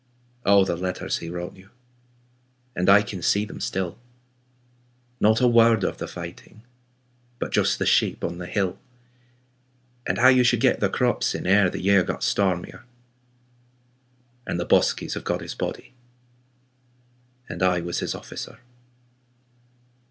Oh, the letters he wrote you, And I can see them still. Not a word of the fighting But just the sheep on the hill And how you should get the crops in Ere the year got stormier, 40 And the Bosches have got his body. And I was his officer.